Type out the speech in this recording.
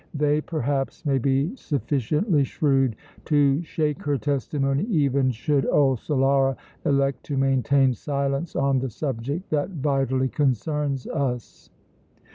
They perhaps may be sufficiently shrewd to shake her testimony even should old Solara elect to maintain silence on the subject that vitally concerns us."